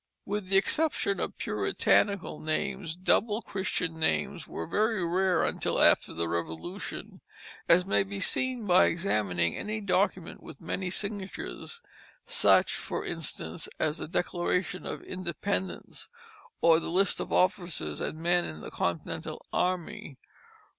With the exception of Puritanical names, double Christian names were very rare until after the Revolution, as may be seen by examining any document with many signatures; such, for instance, as the Declaration of Independence, or the lists of officers and men in the Continental Army.